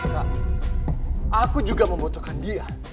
kak aku juga membutuhkan dia